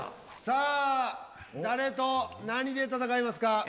さあ誰と何で戦いますか？